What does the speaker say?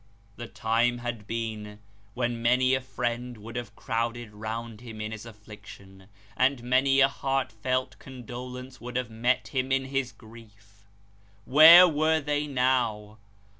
The time had been when many a friend would have crowded round him in his affliction, and many a heartfelt condolence would have met him in his grief. Where were they now